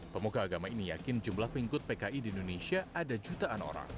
pemuka agama ini yakin jumlah pengikut pki di indonesia ada jutaan orang